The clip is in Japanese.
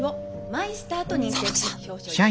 マイスターと認定し表彰いたします。